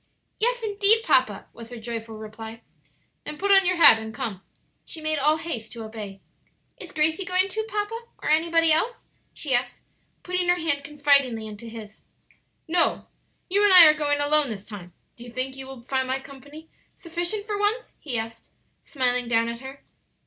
"Yes indeed, papa!" was her joyful reply. "Then put on your hat and come." She made all haste to obey. "Is Gracie going too, papa? or anybody else?" she asked, putting her hand confidingly into his. "No; you and I are going alone this time; do you think you will find my company sufficient for once?" he asked, smiling down at her.